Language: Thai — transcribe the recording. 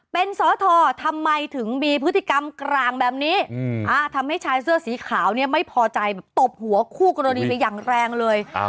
เป็นสอทอทำไมถึงมีพฤติกรรมกลางแบบนี้ทำให้ชายเสื้อสีขาวเนี่ยไม่พอใจแบบตบหัวคู่กรณีไปอย่างแรงเลย